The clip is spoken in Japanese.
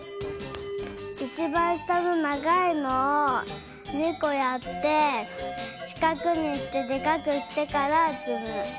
いちばんしたのながいのを２こやってしかくにしてでかくしてからつむ。